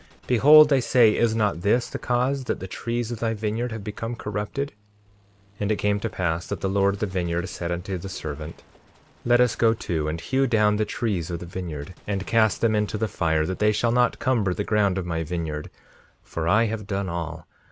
Behold, I say, is not this the cause that the trees of thy vineyard have become corrupted? 5:49 And it came to pass that the Lord of the vineyard said unto the servant: Let us go to and hew down the trees of the vineyard and cast them into the fire, that they shall not cumber the ground of my vineyard, for I have done all.